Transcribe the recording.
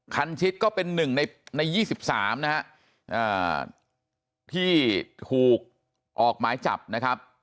คันชิตก็เป็นหนึ่งในในยี่สิบสามนะฮะอ่าที่ถูกออกหมายจับนะครับ